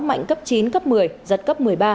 mạnh cấp chín cấp một mươi giật cấp một mươi ba